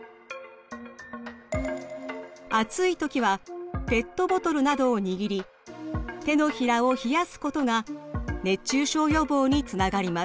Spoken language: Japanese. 暑い時はペットボトルなどを握り手のひらを冷やすことが熱中症予防につながります。